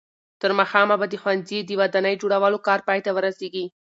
تر ماښامه به د ښوونځي د ودانۍ جوړولو کار پای ته ورسېږي.